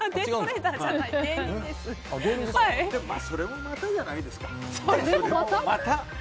それは、またじゃないですか。